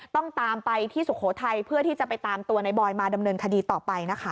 ต้องตามไปที่สุโขทัยเพื่อที่จะไปตามตัวในบอยมาดำเนินคดีต่อไปนะคะ